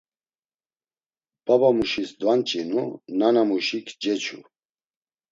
Babamuşis dvanç̌inu, nanamuşik ceçu.